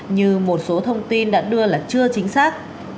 như một số thông tin đã đưa là chưa chính xác